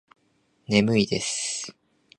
眠いです。